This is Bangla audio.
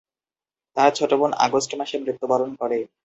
তার ছোট বোন আগস্ট মাসে মৃত্যুবরণ করে।